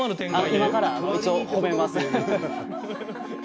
今から一応褒めます。